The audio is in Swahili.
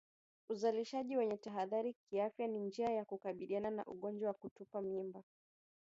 Uzalishaji wenye tahadhari kiafya ni njia ya kukabiliana na ugonjwa wa kutupa mimba